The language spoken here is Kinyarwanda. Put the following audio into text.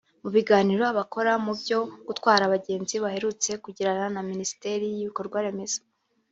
Mu biganiro abakora mu byo gutwara abagenzi baherutse kugirana na Minisiteri y’Ibikorwaremezo